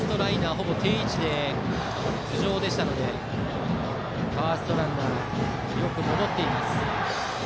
ほぼ定位置で頭上でしたのでファーストランナーはよく戻っています。